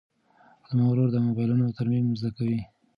زما ورور د موبایلونو ترمیم زده کوي.